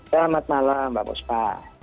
selamat malam mbak bos pa